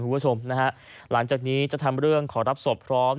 หลังจากนี้จะทำเรื่องขอรับศพพร้อม